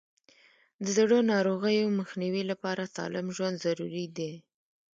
د زړه ناروغیو مخنیوي لپاره سالم ژوند ضروري دی.